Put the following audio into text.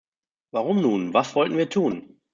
Warum nun, was wollten wir tun?